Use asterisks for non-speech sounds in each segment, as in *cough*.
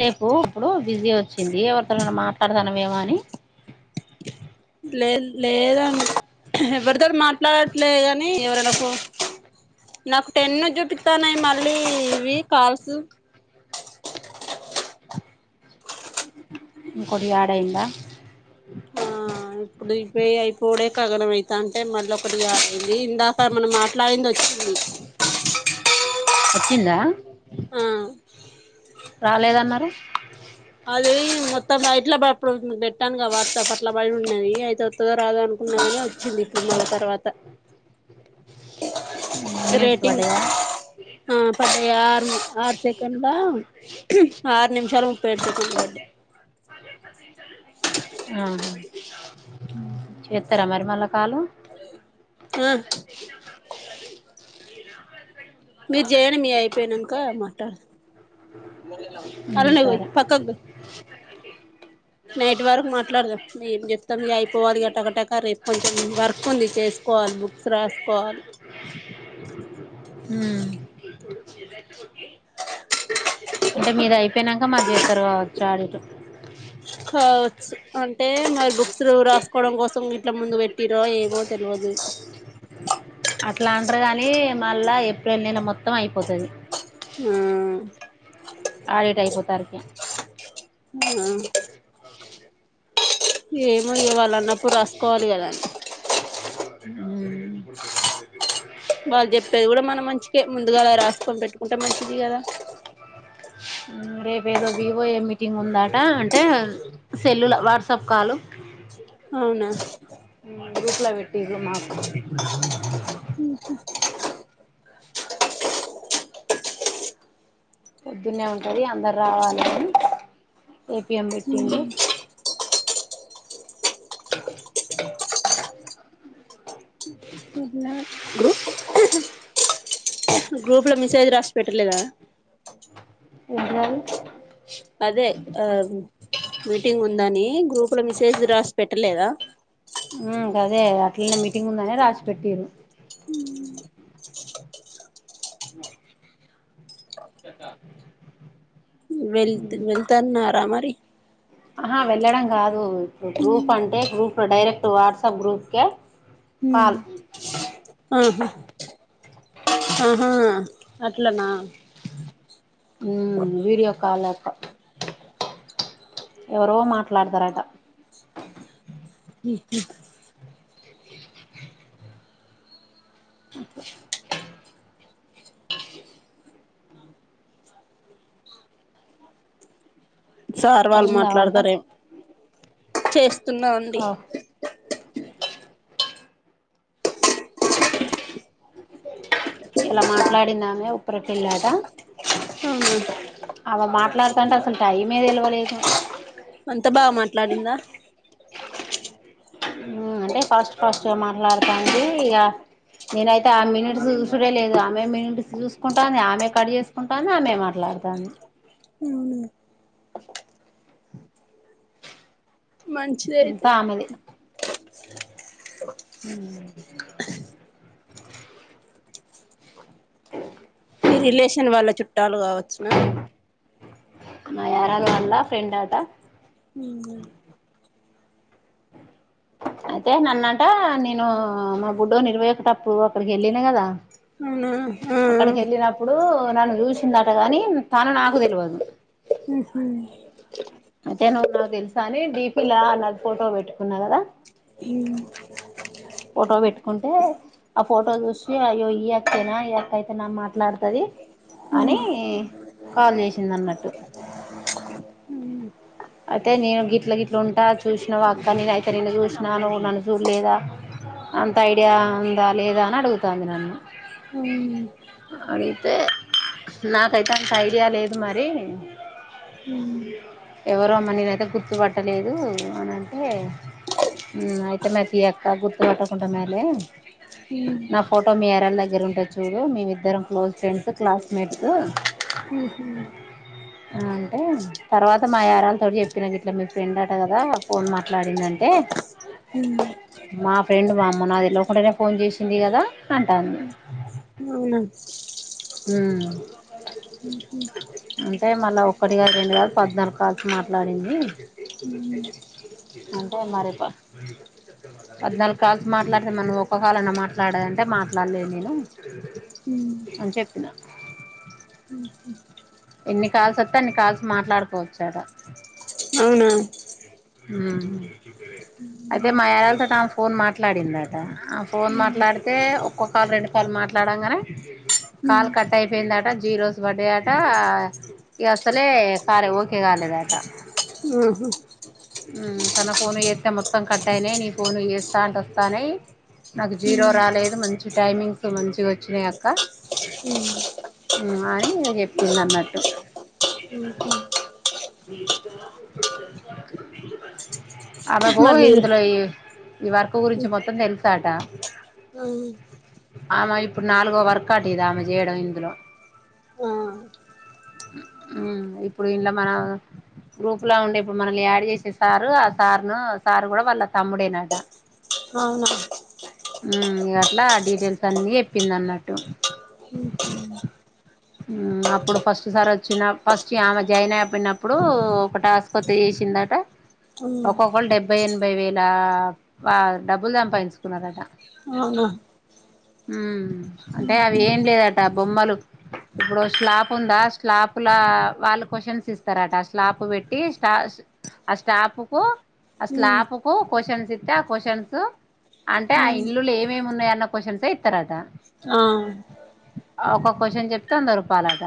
సేపు ఇప్పుడు బిజీ వచ్చింది ఎవరితో నైనా మాట్లాడతానవేమో అని లేదు లేదండి ఎవరితోనీ మాట్లాడట్లే కానీ ఎవరైనా ఫోన్ నాకు టెన్ ను చూపిస్తాన్నాయి మళ్ళీ ఇవి కాల్సు ఇంకోటి ఆడ్ అయిందా ఆ ఇప్పుడు ఇవ్వే అయిపోవుడే గగనం అయితంటే మళ్ళీ ఒకటి ఆడ్ అయింది ఇందాక మనం మాట్లాడింది ఓ వచ్చిందా ఆ రాలేదన్నారు అది మొత్తం ఇట్లా అప్పుడు పెట్టాను క వత అట్లా బయ ఉన్నది అయితే వత్తదో రాదు అను న్నాగా వచ్చింది ఇపుడు మల తర్వాత మీనిట్స్ రేటింగ్ వడయ ఆ పడయా ఆరు ఆరు సెకండ్లా ఆరు నిమిషాలు పెడుటుకువండి *unintelligible* అ చేస్తారా మరి మళ్ళా కాలు ఆ మీరు చేయడి మీ అయిపోయానాక మాట్లాడత ఆన్ల ఉమ్ నే పోయి సరే పక్కక్ పో నైట్ వరకు మాట్లాడదాం ఏం చెప్తాం మీ అయిపోవలి గట్టా గట్టాక రేపు కొంచెం వర్క్ ఉంది చేసు పోవాలి బుక్స్ రాసుకోవాలే ఉం అంటే మీది అయిపోయినాక మాది చేస్తారు కావచ్చు అడ ఇటు కావచ్చు అంటే మరి బుక్స్ రాసుకోవడం కోసం ఇట్ల ముందు పెట్టిరో ఏమో తెలువదు అట్లా అంటారు కాని మళ్ళా ఏప్రిల్ నెల మొత్తం అయిపోతది ఉం ఆడిట్ అయిపోతారికి ఆ ఏమో ఇగ వాళ్లు అన్నప్పుడు రాసుకోవాలి కద ఉం వాళ్ళు చెప్పేది కూడా మనం మంచికే ముందుగాల రాసుకని పెట్టుకుంటే మంచిది కదా రేపేదో వివో ఏ మీటింగ్ ఉందాట అంటే సెల్లుల వాట్సాప్ కాలు అవునా గ్రూప్లో వెట్టిరూ మాకు ఊహు పొద్దునే ఉంటది అందరావాలి అని ఏపిఎం పెట్టిండు గ్రూప్ గ్రూప్ ల మిసెజ్ రాసి పెట్టలేదా ఏంటిదది అదే ఆ మీటింగ్ ఉందని గ్రూప్ లో మిసేజ్ రాసి పెట్టలేదా? ఉమ్ గదే అట్లనే మీటింగ్ ఉందనే రాసి పెట్టిరూ చెట్టా *unintelligible* వెళ్త్ వెళ్తాన్నరా మరి? ఆహా వెళ్ళడం గాదు ఇప్పుడు గ్రూప్ అంటే గ్రూప్ లో డైరెక్ట్ వాట్సాప్ గ్రూప్కే కాల్ ఊహు ఆహ, ఆహా. అట్లనా ఉమ్ వీడియో కాల ఎవరో మాట్లాడతరటా! ఈహీ అట్లా సార్ వాళ్ళు అయిందా వంట మాట్లాడతారేం చేస్ స్తున్నా ఉంది, ఆహ్ ఈయాల మాట్లాడిందామే ఉప్పురపేళ్ళాట. హుమ్ ఆమె మాట్లాడతంటే అసలు టైమే తెలివలేదు, అంతా బాగా మాట్లాడిందా, ఊ అంటే ఫస్ట్ ఫస్ట్గా మాట్లాడతాంది. ఇగా నేనైతే ఆ మినిట్స్ చూసుడే లేదు ఆమె మినిట్స్ చూసుకుంటాంది. ఆమె కట్ చేసుకుంటాంది, ఆమె మాట్లాడ తంది, ఊ మంచిదే అయితే, ఊ *unintelligible* మీ రిలేషన్ వాళ్ళ చుట్టాలు కావొచ్చునా, మా యారలా వాళ్ళ ఫ్రెండ్ ఆట ఉహు *unintelligible* అయితే నన్నంట నేను మా బుడ్డోని ఇరవైయెకటప్పుడు అక్కడికెళ్ళిన కదా *unintelligible* అవునా ఆ అక్కడికెళ్ళినప్పుడు నన్ను చూసిందట కాని, తను నాకు తెల్వదు, ఊహు అయితే నువ్వు నాకు తెలుసాని డీపీలా నాది ఫోటో పెట్టుకున్నా, కాదా ఈ ఫోటో పెట్టుకుంటే ఆ ఫోటో చూసి అయ్యో ఈ అక్కెనా ఈ అక్కైతే నా మాట్లాడతది. దీ అని కాల్ చేసింది, అన్నట్టు ఉ *unintelligible* అయితే నేను గిట్ల గిట్ల ఉంటా చూసినవా అక్క నేను అయితే నిన్ను చూసినా నువ్వు నన్ను చూడలేదా, అంత ఐడియా ఉందా లేదా అని అడుగుతంది నన్ను అయితే నాకైతే అంత ఐడియా లేదు మరి ఉ ఎవరు అమ్మనినైతే గుర్తుపట్టలేదు, అని అంటే అయితమైతి అక్క గుర్తు పెట్టకుంటమైలే నా ఫోటో మీ యారాలు దగ్గర దగ్గర ఉంటది చూడు మీము ఇద్దరం క్లోజ్ ఫ్రెండ్స్ క్లాస్మేట్స్, ఆ అంటే తర్వాత, మా యరాల తో చెప్పినా ఇట్లా మీ ఫ్రెండ్ అట కదా ఫోన్ మాట్లాడిందంటే, హుమ్ మా ఫ్రెండ్ వామ్మో నాకు తెలవా కుంటానే ఫోన్ చేసింది కదా అంటాంది. అవునా ఉ అంటే మళ్ళా ఒక్కటి కాదు రెండు కాదు పద్నాలుగు, కాల్స్ మాట్లాడింది, అంటే మరి పద్నాలుగు కాల్స్ మాట్లాడతే మరి నువ్వు ఒక్క కాలనా మాట్లాడంటే మాట్లాడలేదు నేను ఉ అని చెప్పిన ఎన్ని కాలల్స్ వస్తే అన్ని కాల్స్ మాట్లాడుకోవచ్చాట, అవునా ఊ అయితే మా యారాలు తోన్ని ఆ ఫోన్ మాట్లాడిందట ఆ ఫోన్ మాట్లాడితే ఒక్కో కాల్ రెండు కాల్ మాట్ మాట్లాడగానే కాల్ కట్ అయిపోయిందట జీరోస్ పడయట, ఇక అసలే కారే ఓకే కాలేదాట, ఉహు ఉ తన ఫోనుకు చేస్తే మొత్తం కట్ అయినాయి నీ ఫోనుకు చేస్తా అంటే వస్తానాయి. నాకు జీరో రాలేదు మంచి టైమింగ్స్ మంచిగొచ్చినయి అక్క అని ఇగ చెప్పిందన్నట్టు. అదకో మరి ఇందులో మీరు ఎయి ఈ వర్కు గురించి మొత్తం తెల్సాట. ఆమె ఇప్పుడు నాలుగో వర్కట ఇది ఆమె చేయడం ఇందులో ఆ ఇప్పుడు ఇన్లా మన గ్రూప్ల ఉండే ఇప్పుడు మనల్ని యా డ్ చేసే సార్ ఆ సార్ను సార్ కూడా వాళ్ళ తమ్ముడేనట. మ్ ఇగ అట్ల ఆ డీటెయిల్సన్ని చెప్పిందన్నట్టు. అప్పుడు ఫస్ట్ సార్ వచ్చిన ఫస్ట్ ఆమె జాయిన్ *unintelligible* ఒక టాస్క్ చేస్ సిందట. ఒకొక్కల్ డెబ్బై ఎనభై వేల డబ్బుల్ సంపాదించుకున్నరట. అవునా మ్ అంటే అవి ఏం లేదట బొమ్మలు ఇప్పుడు స్లాప్ ఉందా స్లాప్లా వాళ్ళు క్వశ్చన్ ఇస్తరట స్లాప్ పెట్టి స్టా ఆ స్టాపుకు ఆ స్లాపుకు క్వశ్చన్స్ ఇత్తే ఆ క్వశ్చన్స్ అంటే ఆ ఇల్లులేమేమ్ ఉన్నయన్న క్వశ్చన్సే ఇత్తరట. ఆ ఒక క్వశ్చన్ చెప్తే వంద రూపాలట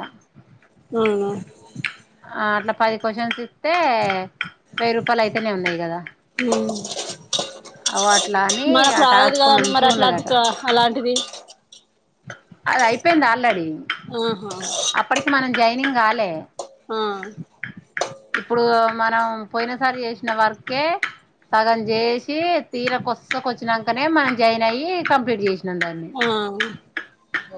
అవునా ఆ అట్ల పది క్వశ్చన్స్ ఇస్తే వెయ్యి రూపాల్ అయితనే ఉన్నయి కదా అగో అట్లా అని మనకు ఆ రాలేదు టాస్క్ కదండి మరి అట్లాంటి మంచిగుంన్నదట. అలాంటిది అద్ అయిపోయింది ఆల్రెడీ ఆహా నింగ్ కాలే ఆ ఇప్పుడూ మనం పొయిన సారి చేసిన వర్కే సగం చేసి తీర కొస్సకొచ్చినంకనే మనం జాయిన్ అయ్యి కంప్లీట్ చేసినం దాన్ని ఆ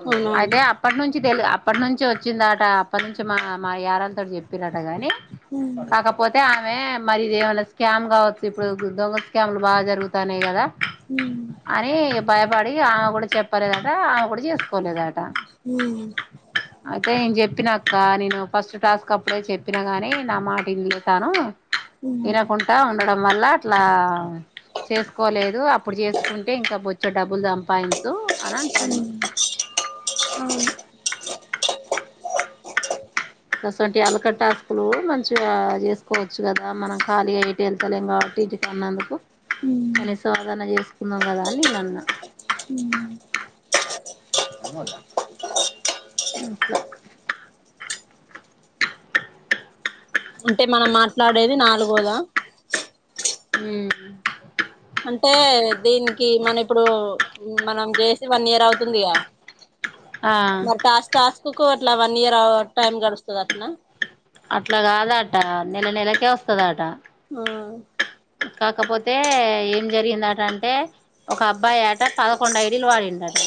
అవునవును అయితే అప్పట్ నుంచ్ చి తెలు అప్పట్ నుంచే వచ్చిందట అప్పట్నుంచే మా మా యారాల్తోటి చెప్పిన్రట గని ఉమ్, కాకపోతే ఆమె మరి ఇదేమన్నా స్కామ్ కావచ్చు ఇప్పుడు దొంగ స్కామ్లు బాగా జరుగుతాన్నయి కదా మ్ అని ఇగ భయపడి ఆమె కూడా చెప్పలేదట ఆమె కూడా చేస్కోలేదట. ఉమ్, అయితే నేన్ చెప్పినక్క నేను ఫస్ట్ టాస్క్ అప్పుడే చెప్పిన గాని నా మాట ఇన్లే తను ఉమ్, ఇనకుంట ఉండడం వల్ల అట్లా చేస్కోలేదు. అప్పుడు చేస్కుంటే ఇంకా బొచ్చెడు డబ్బులు సంపాదించు అనం టాన్ గసోంటి అలకట్ టాస్కులు మంచిగా చేస్కోవచ్చు కదా మనం ఖాళీగా ఎటు ఎళ్తలేం కాబ *inaudible* అన్నందుకు ఉమ్, అని సాధన చేస్కున్నాం కదా అని నేనన్నా మ్ అట్ల అంటే మనం మాట్లాడేది నాలుగోదా ఉమ్ అంటే దీనికి మన ఇప్పుడు మనం చేసి వన్ ఇయర్ అవుతుందిగా ఆ మరి టాస్క్ టాస్క్కు అట్ల వన్ ఇయర్ టైమ్ గడుస్తదట్న. అట్ల కాదట నెల నెలకే వస్తదట ఆ కాకపోతే ఏం జరిగిందట అంటే ఒక అబ్బాయట పదకొండు ఐడిలు వాడిండట.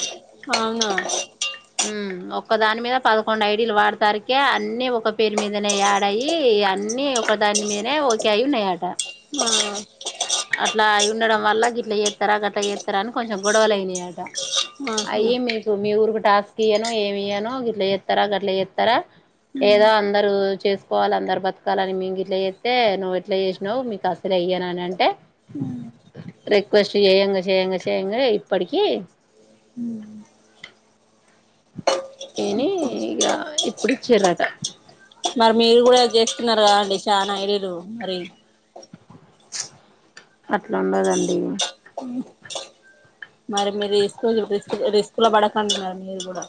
అవునా మ్ ఒక్క దాని మీద పదకొండు ఐడీలు వాడేసరికే అన్ని ఒక పేరు మీదనే యాడ్ అయి ఇగ అన్ని ఒక దాని మీదనే ఒకే అయి ఉన్నయట. మా ఉండడం వల్ల గిట్ల అట్లా జేతరా అని కొంచెం గొడవలయినాయట. ఆహా అయ్యి మీకు మీ ఊరుకు టాస్క్ ఇయను ఏమి ఇయ్యాను గిట్ల చేత్తర గట్లా చేత్తర, ఏదో అందరు చేసుకోవాలి అందరు బతకాలని మేం గిట్ల చేత్తే నువ్వు ఇట్లా చేసినావు. మీకు అసలే ఇయ్యనని అంటే రిక్వెస్ట్ చెయ్యంగా చెయ్యంగా చెయ్యంగా ఇప్పటికి *inaudible* ఇని ఇగా ఇప్పుడిచ్చిరట మరి మీరు కూడా చేస్తున్నారు కదండి చాలా ఐడి లు మరి ప్చ్ అట్లుండదండి మరి మీరు రిస్క్ రిస్క్ రిస్క్ లో పడకండి మరి మీరు కూడా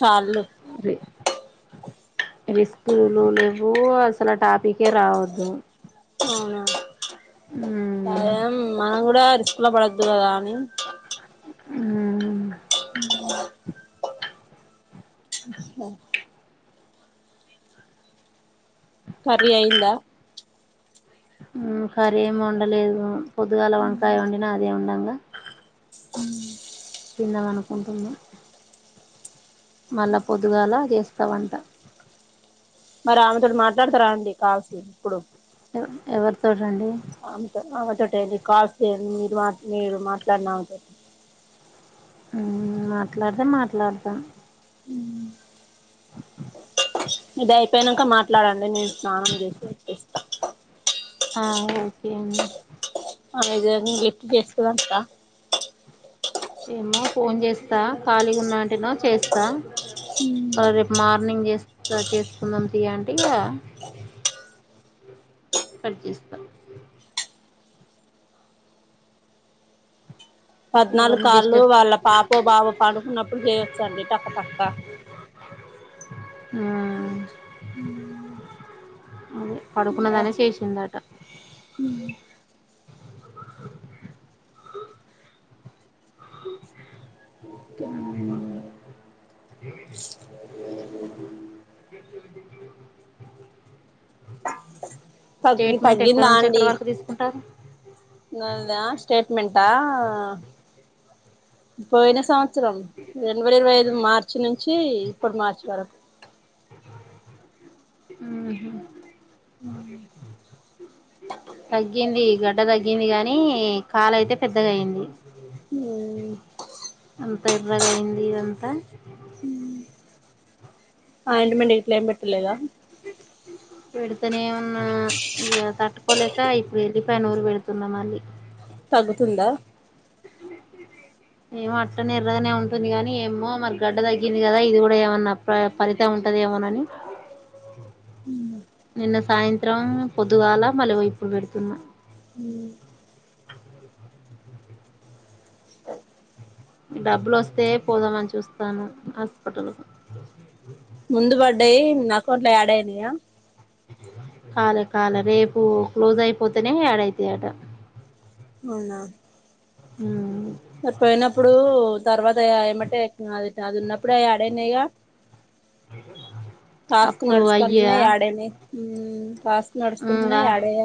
చాల్లు ఇది రిస్కులు లెవ్వు అసలు ఆ టాపిక్కే రావద్దు. అవునా ఉమ్ అదేం మనం కూడా రిస్క్ లో పడొద్దు కదా అని మ్మ్ *inaudible* ఆఓ *inaudible* కర్రీ అయిందా మ్మ్ కర్రీ ఎం వండలేదు పొద్దుగాల వంకాయ వండినా అదే ఉండంగా మ్మ్ తిందామనుకుంటున్న మళ్ళా పొద్దుగాలా చేస్తావంట మరి ఆమెతోటి మాట్లాడతారా అండి కాల్స్ ఇప్పుడు ఎవ ఎవరితోటి ఆమెతో ఆమె తోటే అండి కాల్స్ చేయండి మీరు మా మీరు మాట్లాడినా ఆమెతోటి మ్మ్ మాట్లాడితే మాట్లాడతా *inaudible* ఇది అయిపోయినంక మాట్లాడండి నేను స్నానం చేసి వచ్చేస్తా ఆ ఓకే అండి ఆమె జల్ది లిఫ్ట్ చేస్తదక్క ఏమో ఫోన్ చేస్తా ఖాళీగా ఉన్నంటేనో చేస్తా మ్మ్ రేపు మార్నింగ్ చేస్తా చేసుకుందాం తీయంటే ఇగ కట్ చేస్తా పద్నాలుగు ఎవరిని కాళ్ళు డిస్టర్బ్ వాళ్ళ పాపో బాబో పండుకున్నప్పుడు చేయొచ్చండి టక టక్క మ్మ్ అదే పడుకున్నదనే శేసిందట ఓకే *inaudible* *inaudible* తగ్గి స్టేట్మెంట్ ఎక్కడ తగ్గిందా నుంచి ఎక్కడ అండి వరకు తీసుకుంటారు నాదా స్టేట్మెంటా పోయిన సమ త్సరం రెండు వేల ఇరవై ఐదు మార్చి నుంచి ఇప్పుడు మార్చి వరకు మ్మ్ హ్మ్ తగ్గింది ఈగ ట్ట తగ్గింది గాని కాలు అయితే పెద్దగయింది మ్మ్ ఎర్రగయింది ఇదంతా మ్మ్ ఆయింట్మెంట్ ఇట్లేం పెట్టలేదా అ *inaudible* పెడతనే ఉన్నా ఇగా తట్టుకోలేక ఇప్పుడు ఎల్లిపాయ నూరి పెడుతున్నా మళ్ళీ తగ్గుతుందా ఏమో అట్నే ఎర్రగానే ఉంటుంది కాగానీ ఏమో మరి గడ్డ తగ్గింది కదా ఇది కూడా ఏమన్నా ప్రర్ ఫలితం ఉంటదేమోనని నిన్న సాయంత్రం పొద్దుగాల మళ్ళీ ఇప్పుడు పెడుతున్నా హ డబ్బులు వస్తే పోదామని చూస్తానా హాస్పిటల్ ముందు పడ్డాయి అకౌంట్లో యాడ్ అయినాయ కాలే కాలే రేపు క్లోజ్ అయిపోతేనే ఏడైత అట అవునా ఉమ్ పోయినప్పుడు తర్వాత ఏమంటే అది ఉన్నప్పుడే అడనాయీగా టాస్క్ అప్పుడు నడుస్తుంటనే అయ్యా యాడ్ అయినయీ టాస్క్ నడుస్తుంట ఇంగా అడ్డాయి